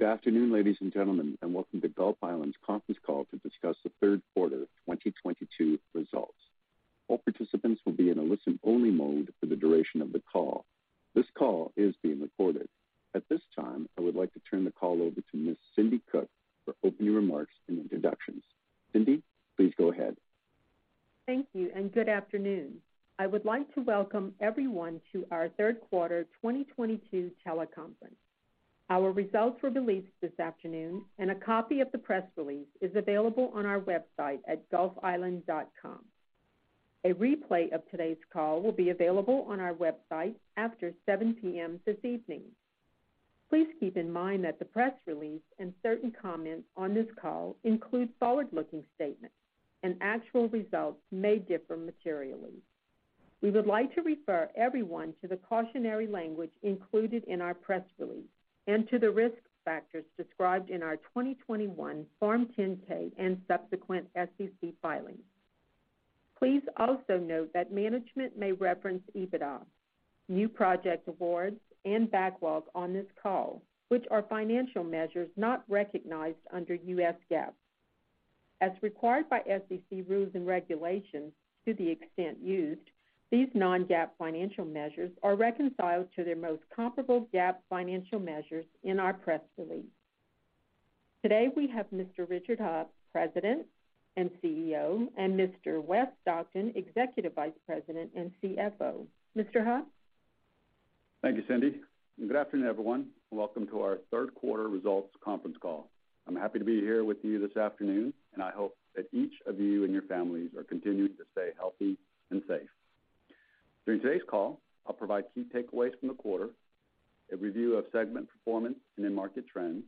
Good afternoon, ladies and gentlemen, and welcome to Gulf Island's conference call to discuss the third quarter 2022 results. All participants will be in a listen-only mode for the duration of the call. This call is being recorded. At this time, I would like to turn the call over to Ms. Cindi Cook for opening remarks and introductions. Cindi, please go ahead. Thank you, and good afternoon. I would like to welcome everyone to our third quarter 2022 teleconference. Our results were released this afternoon, and a copy of the press release is available on our website at gulfisland.com. A replay of today's call will be available on our website after 7:00 P.M. this evening. Please keep in mind that the press release and certain comments on this call include forward-looking statements, and actual results may differ materially. We would like to refer everyone to the cautionary language included in our press release and to the risk factors described in our 2021 Form 10-K and subsequent SEC filings. Please also note that management may reference EBITDA, new project awards, and backlog on this call, which are financial measures not recognized under U.S. GAAP. As required by SEC rules and regulations, to the extent used, these non-GAAP financial measures are reconciled to their most comparable GAAP financial measures in our press release. Today, we have Mr. Richard Heo, President and CEO, and Mr. Wes Stockton, Executive Vice President and CFO. Mr. Heo? Thank you, Cindi, and good afternoon, everyone. Welcome to our third quarter results conference call. I'm happy to be here with you this afternoon, and I hope that each of you and your families are continuing to stay healthy and safe. During today's call, I'll provide key takeaways from the quarter, a review of segment performance and end market trends,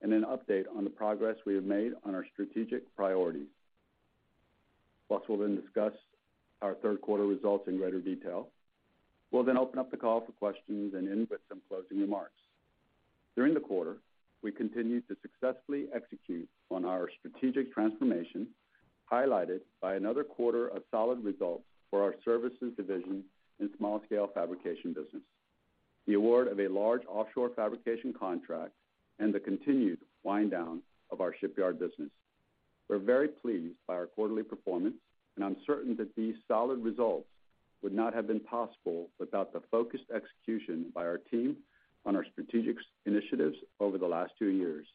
and an update on the progress we have made on our strategic priorities. Wes will then discuss our third quarter results in greater detail. We'll then open up the call for questions and end with some closing remarks. During the quarter, we continued to successfully execute on our strategic transformation, highlighted by another quarter of solid results for our services division and small scale fabrication business, the award of a large offshore fabrication contract, and the continued wind down of our shipyard business. We're very pleased by our quarterly performance, and I'm certain that these solid results would not have been possible without the focused execution by our team on our strategic initiatives over the last two years.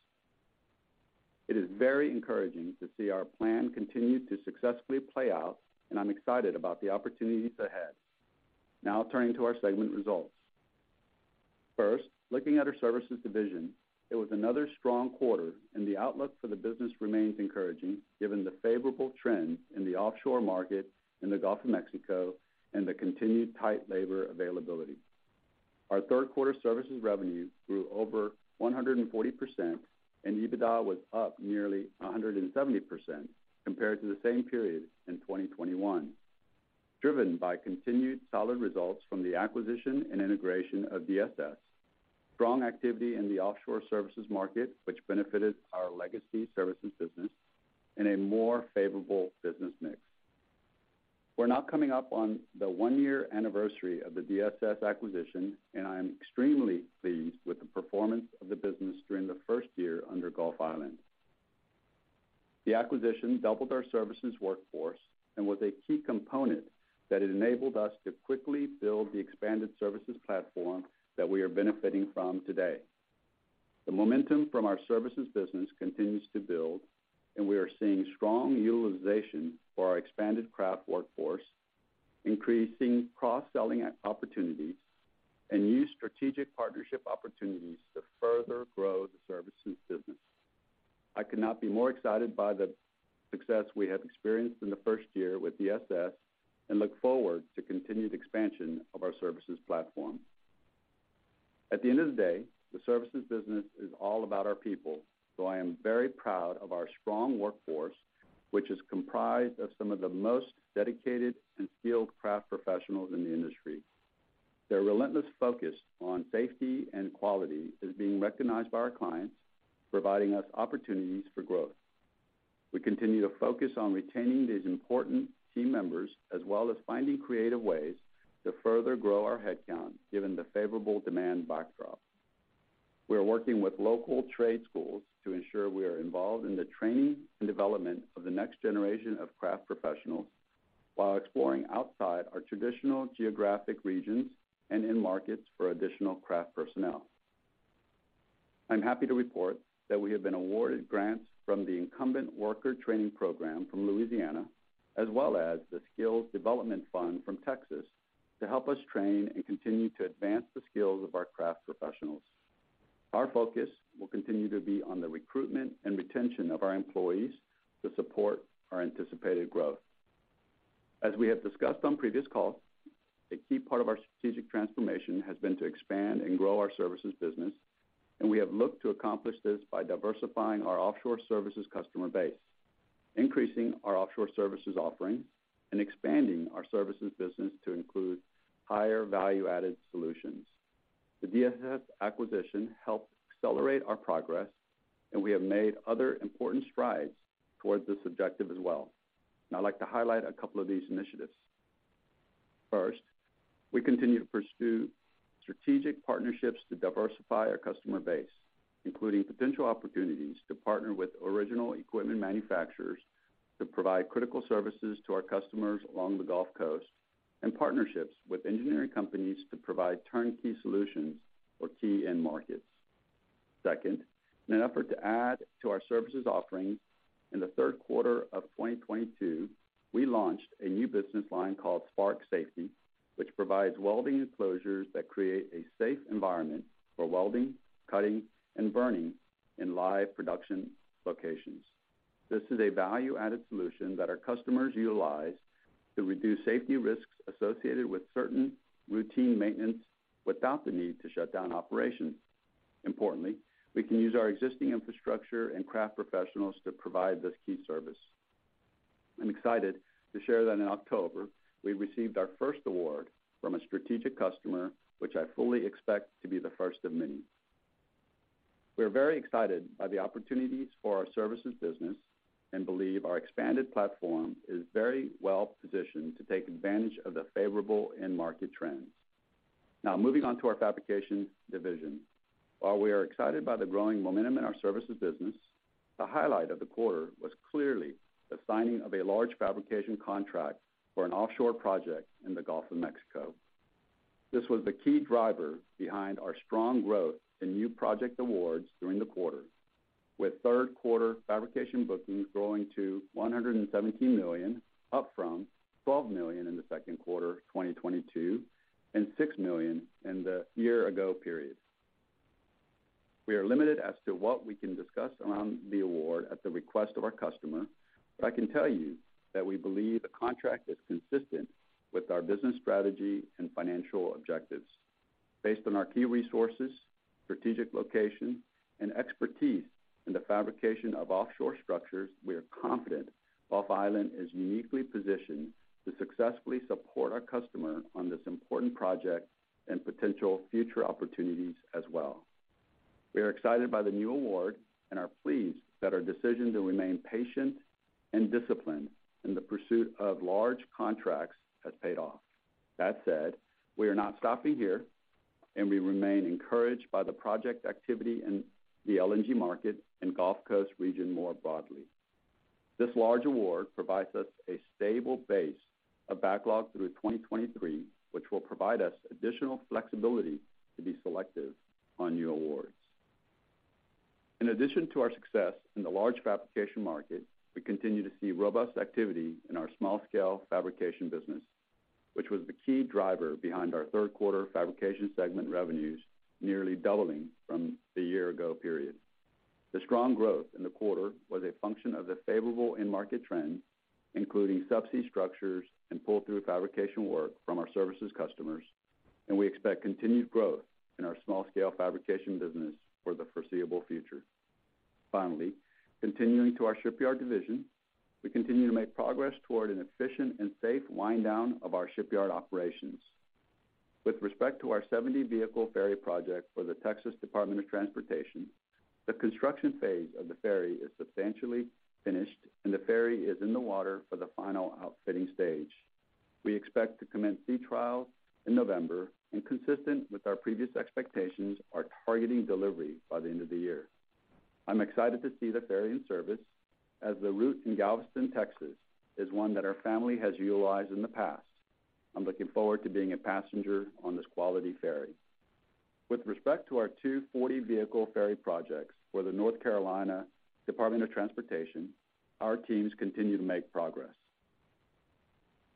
It is very encouraging to see our plan continue to successfully play out, and I'm excited about the opportunities ahead. Now turning to our segment results. First, looking at our services division, it was another strong quarter, and the outlook for the business remains encouraging given the favorable trends in the offshore market in the Gulf of Mexico and the continued tight labor availability. Our third quarter services revenue grew over 140%, and EBITDA was up nearly 170% compared to the same period in 2021, driven by continued solid results from the acquisition and integration of DSS, strong activity in the offshore services market, which benefited our legacy services business, and a more favorable business mix. We're now coming up on the one-year anniversary of the DSS acquisition, and I am extremely pleased with the performance of the business during the first year under Gulf Island. The acquisition doubled our services workforce and was a key component that enabled us to quickly build the expanded services platform that we are benefiting from today. The momentum from our services business continues to build, and we are seeing strong utilization for our expanded craft workforce, increasing cross-selling opportunities and new strategic partnership opportunities to further grow the services business. I could not be more excited by the success we have experienced in the first year with DSS and look forward to continued expansion of our services platform. At the end of the day, the services business is all about our people, so I am very proud of our strong workforce, which is comprised of some of the most dedicated and skilled craft professionals in the industry. Their relentless focus on safety and quality is being recognized by our clients, providing us opportunities for growth. We continue to focus on retaining these important team members, as well as finding creative ways to further grow our headcount, given the favorable demand backdrop. We are working with local trade schools to ensure we are involved in the training and development of the next generation of craft professionals while exploring outside our traditional geographic regions and end markets for additional craft personnel. I'm happy to report that we have been awarded grants from the Incumbent Worker Training Program from Louisiana, as well as the Skills Development Fund from Texas to help us train and continue to advance the skills of our craft professionals. Our focus will continue to be on the recruitment and retention of our employees to support our anticipated growth. As we have discussed on previous calls, a key part of our strategic transformation has been to expand and grow our services business, and we have looked to accomplish this by diversifying our offshore services customer base, increasing our offshore services offerings, and expanding our services business to include higher value-added solutions. The DSS acquisition helped accelerate our progress, and we have made other important strides towards this objective as well, and I'd like to highlight a couple of these initiatives. First, we continue to pursue strategic partnerships to diversify our customer base, including potential opportunities to partner with original equipment manufacturers to provide critical services to our customers along the Gulf Coast, and partnerships with engineering companies to provide turnkey solutions for key end markets. Second, in an effort to add to our services offerings, in the third quarter of 2022, we launched a new business line called Spark Safety, which provides welding enclosures that create a safe environment for welding, cutting, and burning in live production locations. This is a value-added solution that our customers utilize to reduce safety risks associated with certain routine maintenance without the need to shut down operations. Importantly, we can use our existing infrastructure and craft professionals to provide this key service. I'm excited to share that in October, we received our first award from a strategic customer, which I fully expect to be the first of many. We are very excited by the opportunities for our services business and believe our expanded platform is very well-positioned to take advantage of the favorable end market trends. Now moving on to our fabrication division. While we are excited by the growing momentum in our services business, the highlight of the quarter was clearly the signing of a large fabrication contract for an offshore project in the Gulf of Mexico. This was the key driver behind our strong growth in new project awards during the quarter, with third quarter fabrication bookings growing to $117 million, up from $12 million in the second quarter of 2022 and $6 million in the year-ago period. We are limited as to what we can discuss around the award at the request of our customer, but I can tell you that we believe the contract is consistent with our business strategy and financial objectives. Based on our key resources, strategic location, and expertise in the fabrication of offshore structures, we are confident Gulf Island is uniquely positioned to successfully support our customer on this important project and potential future opportunities as well. We are excited by the new award and are pleased that our decision to remain patient and disciplined in the pursuit of large contracts has paid off. That said, we are not stopping here, and we remain encouraged by the project activity in the LNG market and Gulf Coast region more broadly. This large award provides us a stable base of backlog through 2023, which will provide us additional flexibility to be selective on new awards. In addition to our success in the large fabrication market, we continue to see robust activity in our small-scale fabrication business, which was the key driver behind our third quarter fabrication segment revenues nearly doubling from the year-ago period. The strong growth in the quarter was a function of the favorable end market trends, including subsea structures and pull-through fabrication work from our services customers, and we expect continued growth in our small-scale fabrication business for the foreseeable future. Finally, continuing to our shipyard division, we continue to make progress toward an efficient and safe wind down of our shipyard operations. With respect to our 70-vehicle ferry project for the Texas Department of Transportation, the construction phase of the ferry is substantially finished, and the ferry is in the water for the final outfitting stage. We expect to commence sea trials in November, and consistent with our previous expectations are targeting delivery by the end of the year. I'm excited to see the ferry in service, as the route in Galveston, Texas, is one that our family has utilized in the past. I'm looking forward to being a passenger on this quality ferry. With respect to our two 40-vehicle ferry projects for the North Carolina Department of Transportation, our teams continue to make progress.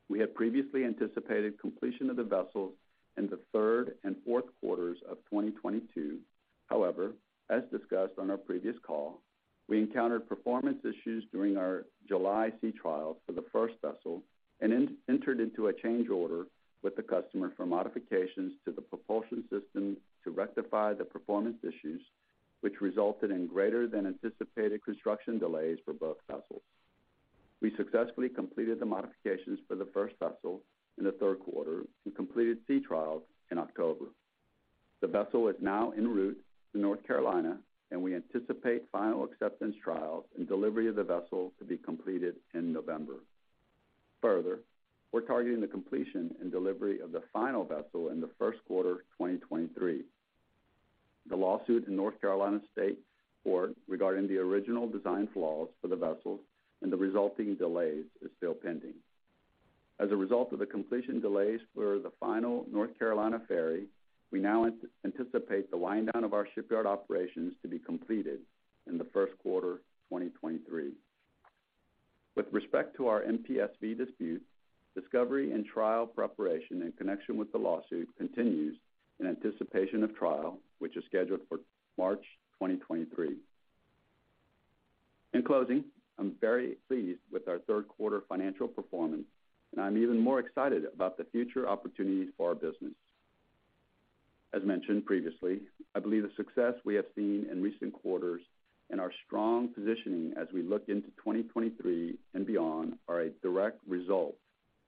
We had previously anticipated completion of the vessels in the third and fourth quarters of 2022. However, as discussed on our previous call, we encountered performance issues during our July sea trials for the first vessel and entered into a change order with the customer for modifications to the propulsion system to rectify the performance issues, which resulted in greater than anticipated construction delays for both vessels. We successfully completed the modifications for the first vessel in the third quarter and completed sea trials in October. The vessel is now en route to North Carolina, and we anticipate final acceptance trials and delivery of the vessel to be completed in November. Further, we're targeting the completion and delivery of the final vessel in the first quarter of 2023. The lawsuit in North Carolina state court regarding the original design flaws for the vessels and the resulting delays is still pending. As a result of the completion delays for the final North Carolina ferry, we now anticipate the wind down of our shipyard operations to be completed in the first quarter of 2023. With respect to our MPSV dispute, discovery and trial preparation in connection with the lawsuit continues in anticipation of trial, which is scheduled for March 2023. In closing, I'm very pleased with our third quarter financial performance, and I'm even more excited about the future opportunities for our business. As mentioned previously, I believe the success we have seen in recent quarters and our strong positioning as we look into 2023 and beyond are a direct result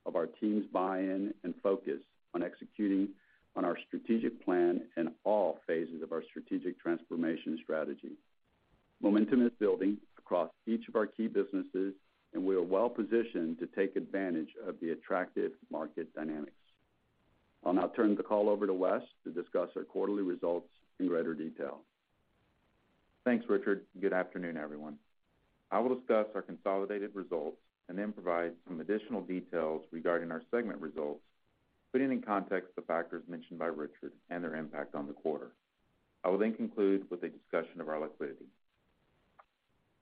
of our team's buy-in and focus on executing on our strategic plan in all phases of our strategic transformation strategy. Momentum is building across each of our key businesses, and we are well positioned to take advantage of the attractive market dynamics. I'll now turn the call over to Wes to discuss our quarterly results in greater detail. Thanks, Richard. Good afternoon, everyone. I will discuss our consolidated results and then provide some additional details regarding our segment results, putting in context the factors mentioned by Richard and their impact on the quarter. I will then conclude with a discussion of our liquidity.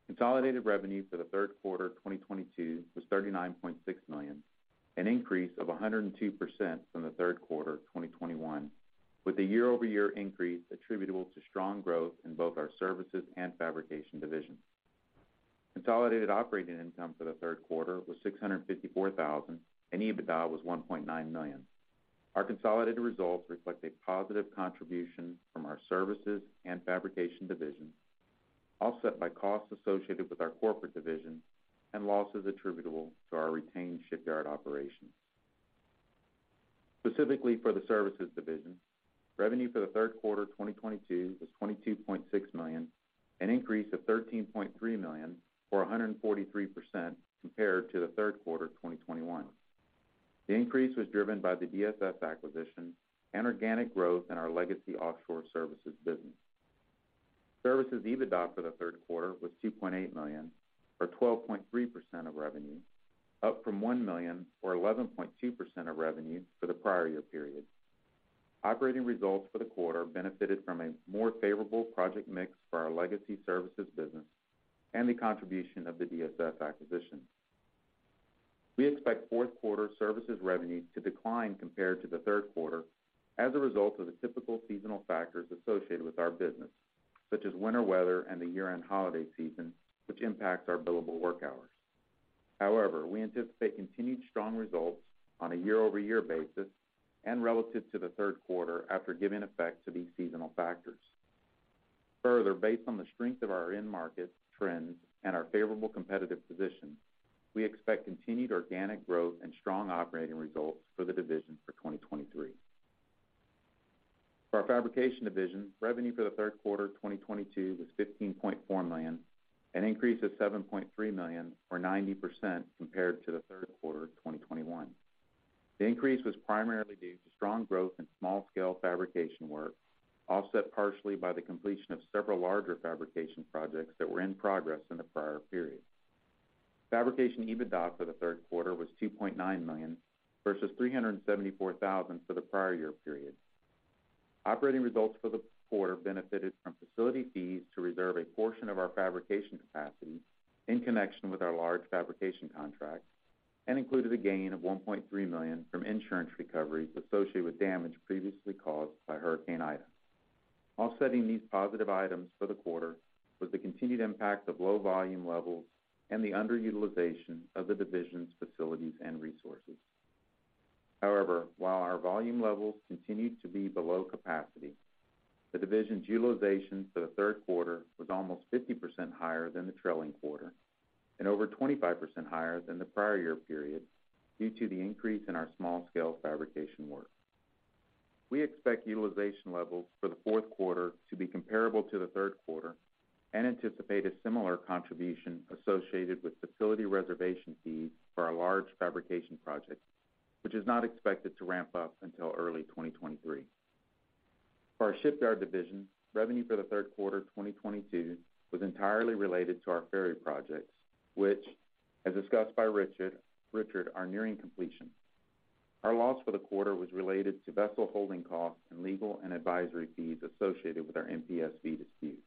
Consolidated revenue for the third quarter 2022 was $39.6 million, an increase of 102% from the third quarter 2021, with a year-over-year increase attributable to strong growth in both our services and fabrication divisions. Consolidated operating income for the third quarter was $654,000, and EBITDA was $1.9 million. Our consolidated results reflect a positive contribution from our services and fabrication divisions, offset by costs associated with our corporate division and losses attributable to our retained shipyard operations. Specifically for the services division, revenue for the third quarter 2022 was $22.6 million, an increase of $13.3 million, or 143% compared to the third quarter 2021. The increase was driven by the DSS acquisition and organic growth in our legacy offshore services business. Services EBITDA for the third quarter was $2.8 million, or 12.3% of revenue, up from $1 million or 11.2% of revenue for the prior year period. Operating results for the quarter benefited from a more favorable project mix for our legacy services business and the contribution of the DSS acquisition. We expect fourth quarter services revenue to decline compared to the third quarter as a result of the typical seasonal factors associated with our business, such as winter weather and the year-end holiday season, which impacts our billable work hours. However, we anticipate continued strong results on a year-over-year basis and relative to the third quarter after giving effect to these seasonal factors. Further, based on the strength of our end market trends and our favorable competitive position, we expect continued organic growth and strong operating results for the division for 2023. For our fabrication division, revenue for the third quarter 2022 was $15.4 million, an increase of $7.3 million or 90% compared to the third quarter 2021. The increase was primarily due to strong growth in small-scale fabrication work, offset partially by the completion of several larger fabrication projects that were in progress in the prior period. Fabrication EBITDA for the third quarter was $2.9 million versus $374,000 for the prior year period. Operating results for the quarter benefited from facility fees to reserve a portion of our fabrication capacity in connection with our large fabrication contract and included a gain of $1.3 million from insurance recoveries associated with damage previously caused by Hurricane Ida. Offsetting these positive items for the quarter was the continued impact of low volume levels and the underutilization of the division's facilities and resources. However, while our volume levels continued to be below capacity, the division's utilization for the third quarter was almost 50% higher than the trailing quarter and over 25% higher than the prior year period due to the increase in our small-scale fabrication work. We expect utilization levels for the fourth quarter to be comparable to the third quarter and anticipate a similar contribution associated with facility reservation fees for our large fabrication project, which is not expected to ramp up until early 2023. For our shipyard division, revenue for the third quarter 2022 was entirely related to our ferry projects, which, as discussed by Richard, are nearing completion. Our loss for the quarter was related to vessel holding costs and legal and advisory fees associated with our MPSV disputes.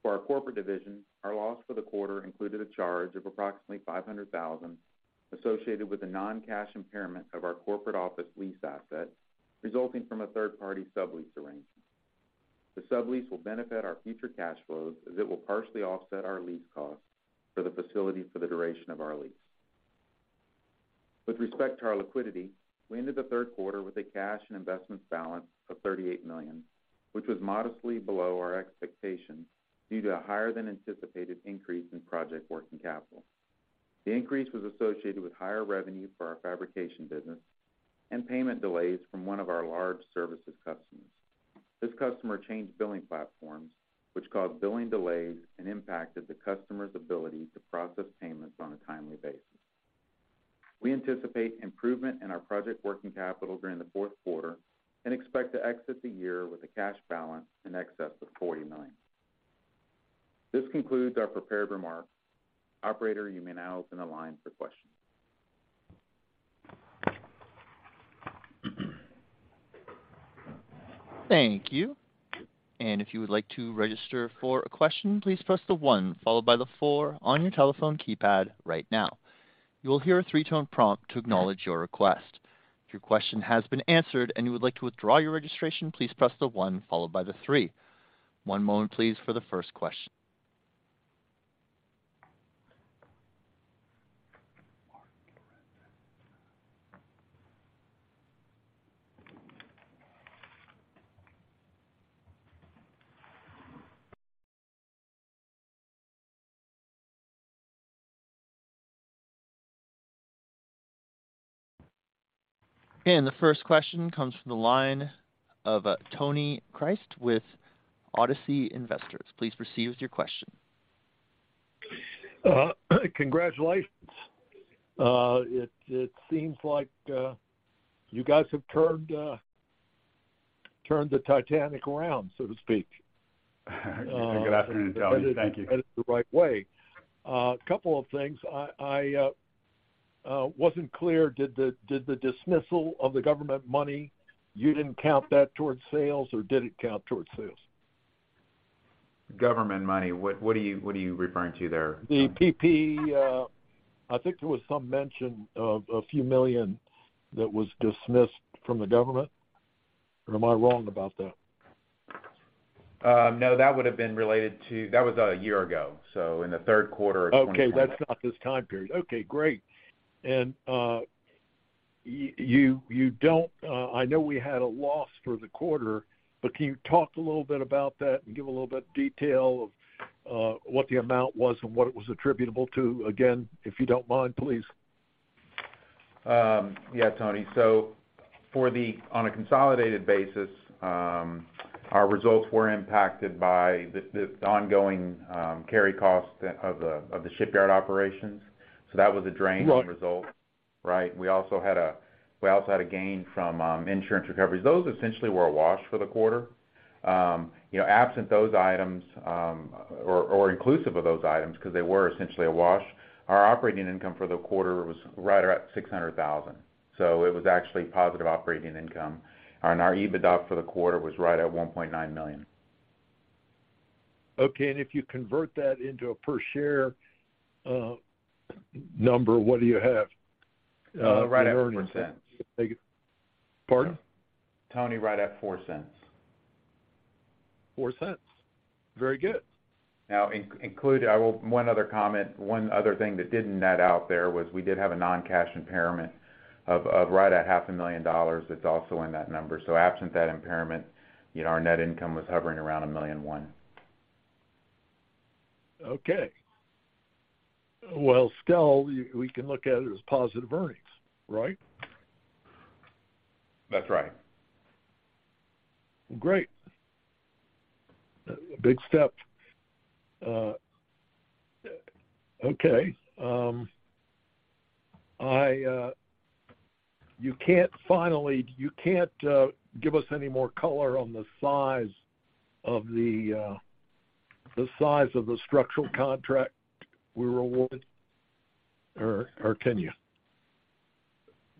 For our corporate division, our loss for the quarter included a charge of approximately $500,000 associated with the non-cash impairment of our corporate office lease asset, resulting from a third-party sublease arrangement. The sublease will benefit our future cash flows as it will partially offset our lease costs for the facility for the duration of our lease. With respect to our liquidity, we ended the third quarter with a cash and investments balance of $38 million, which was modestly below our expectations due to a higher than anticipated increase in project working capital. The increase was associated with higher revenue for our fabrication business and payment delays from one of our large services customers. This customer changed billing platforms, which caused billing delays and impacted the customer's ability to process payments on a timely basis. We anticipate improvement in our project working capital during the fourth quarter and expect to exit the year with a cash balance in excess of $40 million. This concludes our prepared remarks. Operator, you may now open the line for questions. Thank you. If you would like to register for a question, please press the one followed by the four on your telephone keypad right now. You will hear a three-tone prompt to acknowledge your request. If your question has been answered and you would like to withdraw your registration, please press the one followed by the three. One moment, please, for the first question. The first question comes from the line of Tony Christ with Odyssey Investors. Please proceed with your question. Congratulations. It seems like you guys have turned the Titanic around, so to speak. Good afternoon, Tony. Thank you. Headed the right way. A couple of things. I wasn't clear, did the dismissal of the government money, you didn't count that towards sales, or did it count towards sales? Government money? What are you referring to there? I think there was some mention of a few million that was dismissed from the government. Or am I wrong about that? No, that was a year ago, so in the third quarter of 2020. Okay. That's not this time period. Okay, great. I know we had a loss for the quarter, but can you talk a little bit about that and give a little bit of detail of what the amount was and what it was attributable to? Again, if you don't mind, please. Yeah, Tony. On a consolidated basis, our results were impacted by the ongoing carry costs of the shipyard operations. That was a drain. Right. In results, right? We also had a gain from insurance recoveries. Those essentially were a wash for the quarter. You know, absent those items, or inclusive of those items because they were essentially a wash, our operating income for the quarter was right around $600,000. It was actually positive operating income. Our EBITDA for the quarter was right at $1.9 million. Okay. If you convert that into a per share number, what do you have in earnings? Right at $0.04. Pardon? Tony, right at $0.04. $0.04. Very good. Included, one other thing that didn't net out there was we did have a non-cash impairment of right at half a million dollars. That's also in that number. Absent that impairment, you know, our net income was hovering around $1.1 million. Okay. Well, still, we can look at it as positive earnings, right? That's right. Great. A big step. Finally, can you give us any more color on the size of the structural contract we were awarded? Or can you?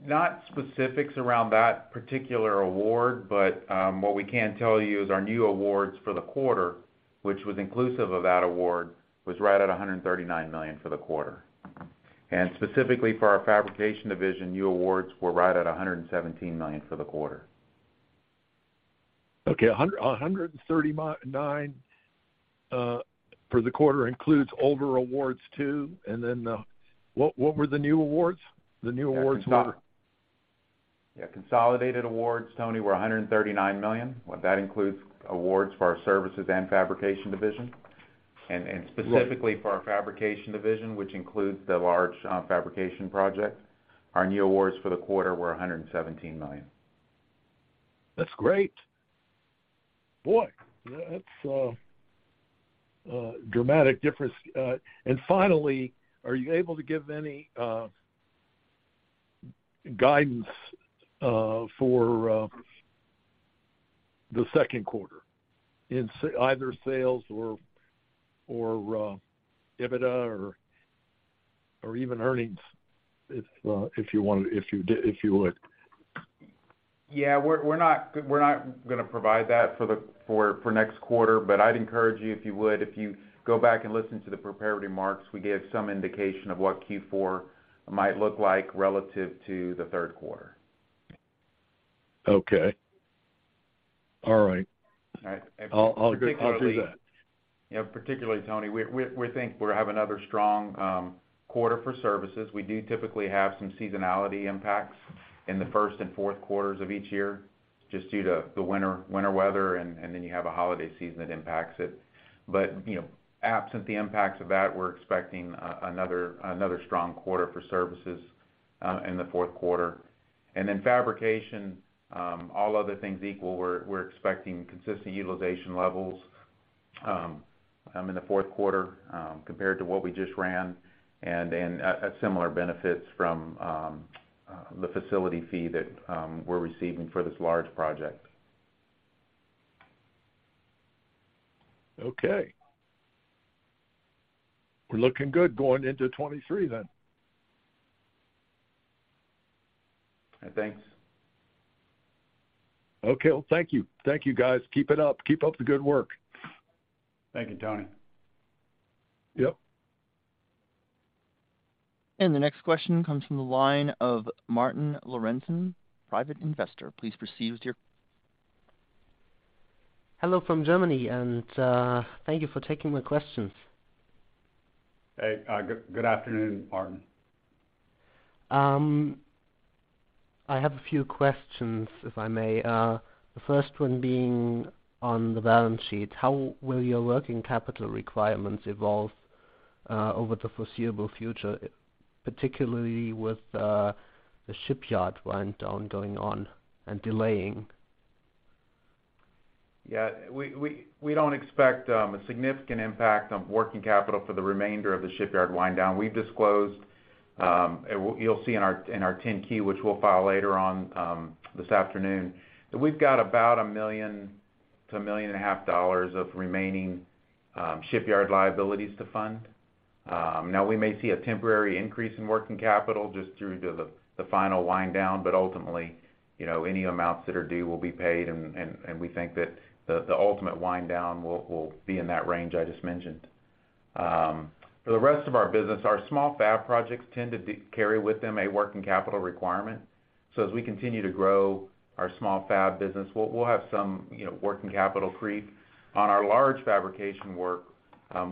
No specifics around that particular award, but what we can tell you is our new awards for the quarter, which was inclusive of that award, was right at $139 million for the quarter. Specifically for our fabrication division, new awards were right at $117 million for the quarter. Okay. $139 for the quarter includes older awards, too. What were the new awards? The new awards were Yeah, consolidated awards, Tony, were $139 million. That includes awards for our services and fabrication division. Specifically for our fabrication division, which includes the large fabrication project, our new awards for the quarter were $117 million. That's great. Boy, that's a dramatic difference. Finally, are you able to give any guidance for the second quarter in either sales or EBITDA or even earnings if you would? Yeah, we're not gonna provide that for next quarter. I'd encourage you, if you go back and listen to the prepared remarks, we gave some indication of what Q4 might look like relative to the third quarter. Okay. All right. All right. I'll go through that. Yeah. Particularly, Tony, we think we'll have another strong quarter for services. We do typically have some seasonality impacts in the first and fourth quarters of each year just due to the winter weather, and then you have a holiday season that impacts it. You know, absent the impacts of that, we're expecting another strong quarter for services in the fourth quarter. Fabrication, all other things equal, we're expecting consistent utilization levels in the fourth quarter compared to what we just ran, and similar benefits from the facility fee that we're receiving for this large project. Okay. We're looking good going into 2023 then. Thanks. Okay. Thank you. Thank you, guys. Keep it up. Keep up the good work. Thank you, Tony. Yep. The next question comes from the line of Martin Lorentzen, Private Investor. Please proceed with your Hello from Germany, and, thank you for taking the questions. Hey, good afternoon, Martin. I have a few questions, if I may. The first one being on the balance sheet. How will your working capital requirements evolve over the foreseeable future, particularly with the shipyard wind down going on and delaying. Yeah. We don't expect a significant impact on working capital for the remainder of the shipyard wind down. We've disclosed you'll see in our 10-Q, which we'll file later on this afternoon, that we've got about $1 million-$1.5 million of remaining shipyard liabilities to fund. Now we may see a temporary increase in working capital just due to the final wind down, but ultimately, you know, any amounts that are due will be paid and we think that the ultimate wind down will be in that range I just mentioned. For the rest of our business, our small fab projects tend to carry with them a working capital requirement. As we continue to grow our small fab business, we'll have some, you know, working capital creep. On our large fabrication work,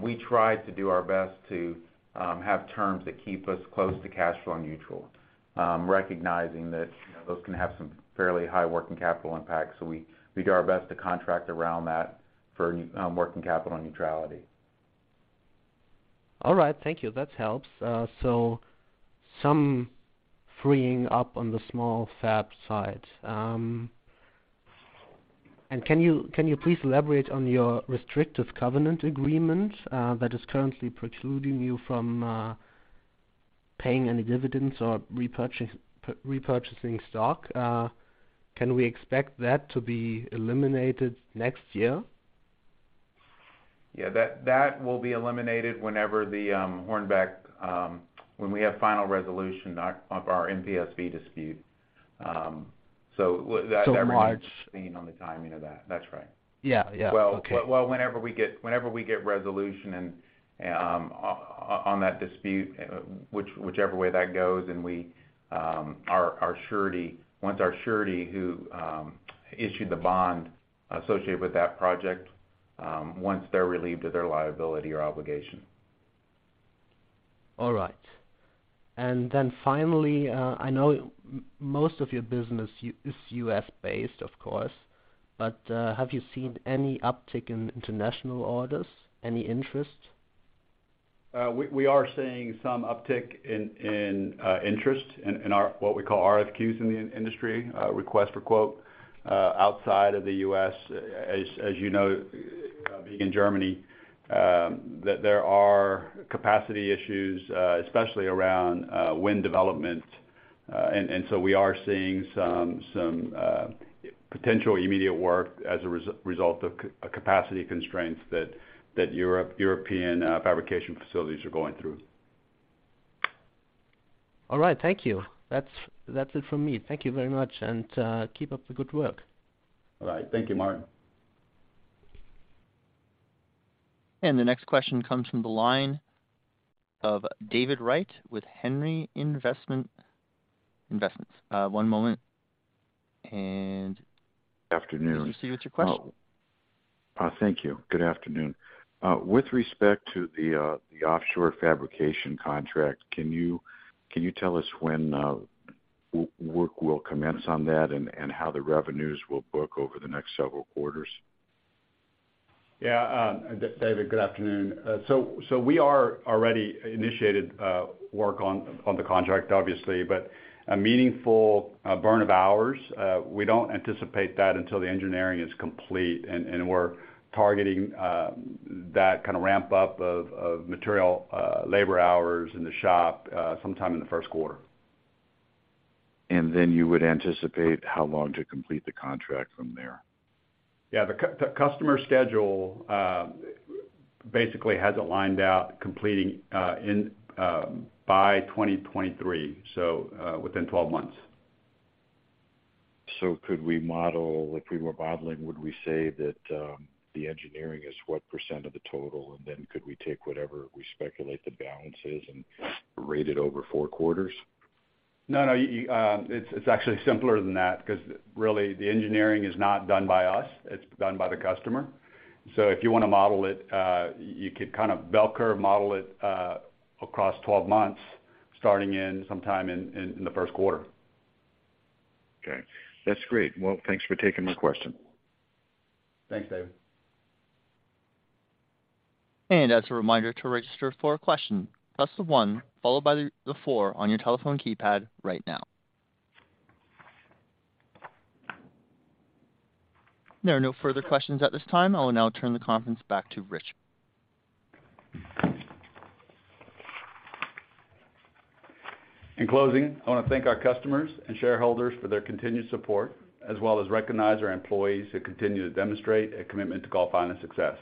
we try to do our best to have terms that keep us close to cash flow neutral, recognizing that, you know, those can have some fairly high working capital impact. We do our best to contract around that for working capital neutrality. All right. Thank you. That helps. Some freeing up on the small fab side. Can you please elaborate on your restrictive covenant agreement that is currently precluding you from paying any dividends or repurchasing stock? Can we expect that to be eliminated next year? Yeah. That will be eliminated when we have final resolution of our MPSV dispute. March. Depending on the timing of that. That's right. Yeah. Yeah. Okay. Well, whenever we get resolution and on that dispute, whichever way that goes and we our surety. Once our surety who issued the bond associated with that project, once they're relieved of their liability or obligation. All right. Finally, I know most of your business is U.S.-based, of course, but, have you seen any uptick in international orders? Any interest? We are seeing some uptick in interest in our what we call RFQs in the industry, request for quote, outside of the U.S. As you know, being in Germany, that there are capacity issues, especially around wind development. We are seeing some potential immediate work as a result of capacity constraints that European fabrication facilities are going through. All right. Thank you. That's it for me. Thank you very much, and keep up the good work. All right. Thank you, Martin. The next question comes from the line of David Wright with Henry Investments. Afternoon. Please proceed with your question. Thank you. Good afternoon. With respect to the offshore fabrication contract, can you tell us when work will commence on that and how the revenues will book over the next several quarters? David, good afternoon. We have already initiated work on the contract obviously. A meaningful burn of hours we don't anticipate until the engineering is complete and we're targeting that kind of ramp up of material labor hours in the shop sometime in the first quarter. You would anticipate how long to complete the contract from there? Yeah. The customer schedule basically has it lined out completing in by 2023, so within 12 months. Could we model? If we were modeling, would we say that the engineering is what percent of the total? Then could we take whatever we speculate the balance is and rate it over four quarters? No, no. It's actually simpler than that because really the engineering is not done by us. It's done by the customer. If you wanna model it, you could kind of bell curve model it across 12 months starting in sometime in the first quarter. Okay, that's great. Well, thanks for taking my question. Thanks, David. As a reminder, to register for a question, press the one followed by the four on your telephone keypad right now. There are no further questions at this time. I will now turn the conference back to Richard. In closing, I wanna thank our customers and shareholders for their continued support, as well as recognize our employees who continue to demonstrate a commitment to Gulf Island's success.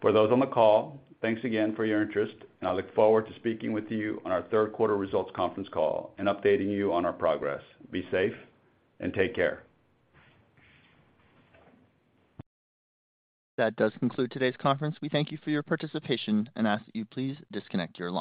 For those on the call, thanks again for your interest, and I look forward to speaking with you on our third quarter results conference call and updating you on our progress. Be safe and take care. That does conclude today's conference. We thank you for your participation and ask that you please disconnect your line.